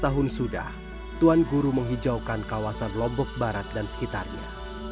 lima belas tahun sudah tuhan guru menghijaukan kawasan lombok barat dan sekitarnya